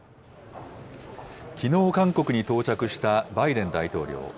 きのう、韓国に到着したバイデン大統領。